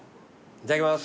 いただきます。